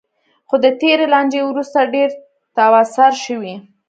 خو د تېرې لانجې وروسته ډېر تاوسر شوی.